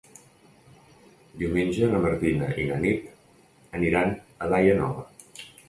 Diumenge na Martina i na Nit aniran a Daia Nova.